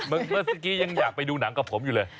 เมื่อสักกี้ยังอยากไปดูหนังกับผมอยู่เลย